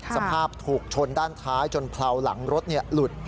สภาพถูกชนด้านท้ายจนเผลาหลังรถหลุด